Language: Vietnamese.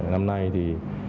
năm nay sẽ